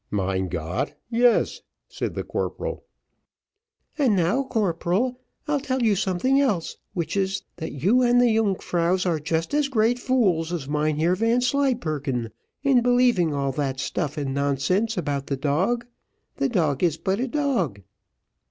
"Mein Gott! yes," said the corporal. "And now, corporal, I'll tell you something else, which is, that you and the Yungfraus are just as great fools as Mynheer Vanslyperken, in believing all that stuff and nonsense about the dog. The dog is but a dog."